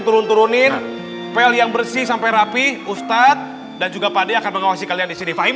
turun turunin pel yang bersih sampai rapih ustadz dan juga pade akan mengawasi kalian di sini fahim